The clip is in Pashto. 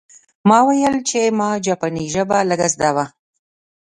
ما وویل چې ما جاپاني ژبه لږه زده وه